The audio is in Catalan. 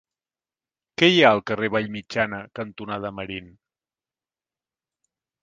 Què hi ha al carrer Vallmitjana cantonada Marín?